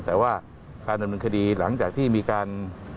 แต่ว่าการดำเนินคดีหลังจากที่มีการ